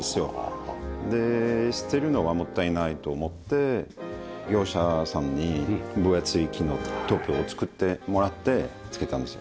で捨てるのはもったいないと思って業者さんに分厚い木のトップを作ってもらって付けたんですよ。